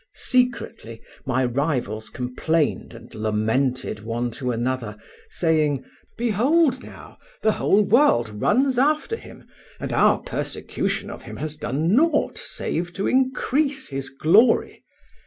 Secretly my rivals complained and lamented one to another, saying: "Behold now, the whole world runs after him, and our persecution of him has done nought save to increase his glory.